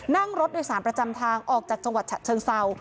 นั่งรถโดยสารประจำทางออกจากจังหวัดฉะเชิงเศร้า